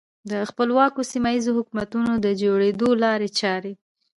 د خپلواکو سیمه ییزو حکومتونو د جوړېدو لارې چارې.